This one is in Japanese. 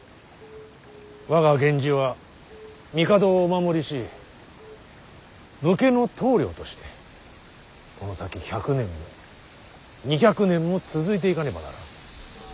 我が源氏は帝をお守りし武家の棟梁としてこの先１００年も２００年も続いていかねばならん。